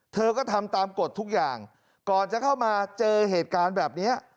เธอก็ทำตามกฎทุกอย่างก่อนจะเข้ามาเจอเหตุการณ์แบบนี้